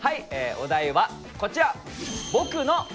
お題はこちら。